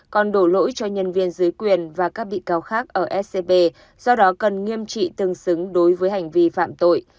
cho nhân viên dưới quyền và các bị cáo khác ở scb do đó cần nghiêm trị tương xứng đối với hành vi phạm tội